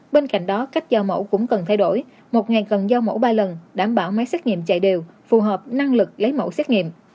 bên cạnh đó cách gieo mẫu cũng cần thay đổi một ngày cần gieo mẫu ba lần đảm bảo máy xét nghiệm chạy đều phù hợp năng lực lấy mẫu xét nghiệm